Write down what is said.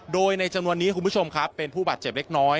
โดยในจำนวนนี้คุณผู้ชมครับเป็นผู้บาดเจ็บเล็กน้อย